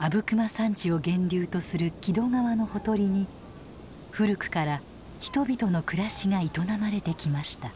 阿武隈山地を源流とする木戸川のほとりに古くから人々の暮らしが営まれてきました。